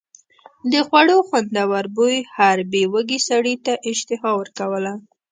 د خوړو خوندور بوی هر بې وږي سړي ته اشتها ورکوله.